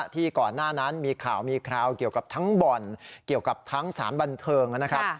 ก่อนหน้านั้นมีข่าวมีคราวเกี่ยวกับทั้งบ่อนเกี่ยวกับทั้งสารบันเทิงนะครับ